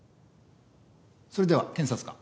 それでは検察官。